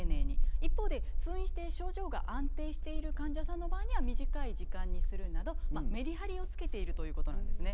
一方で通院して症状が安定している患者さんの場合には短い時間にするなどメリハリをつけているということなんです。